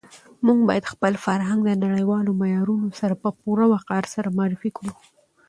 موږ باید خپل فرهنګ د نړیوالو معیارونو سره په پوره وقار سره معرفي کړو.